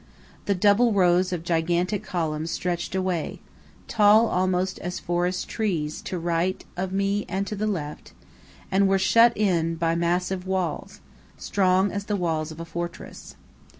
The double rows of gigantic columns stretched away, tall almost as forest trees, to right of me and to left, and were shut in by massive walls, strong as the walls of a fortress.